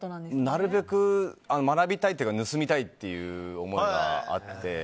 なるべく学びたいというか盗みたいという思いがあって。